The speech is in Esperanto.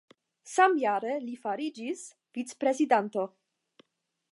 Samjare li fariĝis vicprezidanto.